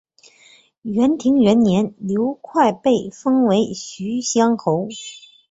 元延元年刘快被封为徐乡侯。